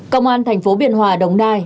công an thành phố biên hòa đồng nai